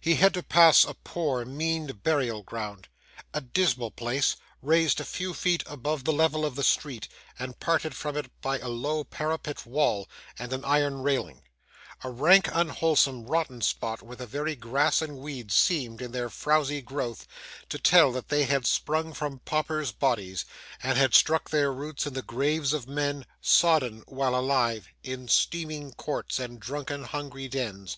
He had to pass a poor, mean burial ground a dismal place, raised a few feet above the level of the street, and parted from it by a low parapet wall and an iron railing; a rank, unwholesome, rotten spot, where the very grass and weeds seemed, in their frouzy growth, to tell that they had sprung from paupers' bodies, and had struck their roots in the graves of men, sodden, while alive, in steaming courts and drunken hungry dens.